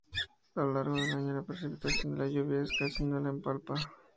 A lo largo del año, la precipitación de lluvia es casi nula en Palpa.